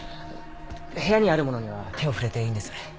部屋にある物には手を触れていいんですよね。